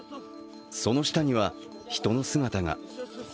その下には、人の姿が。